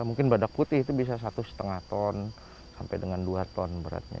mungkin badak putih itu bisa satu lima ton sampai dengan dua ton beratnya